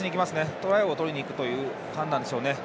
トライをとりにいくという判断ですね。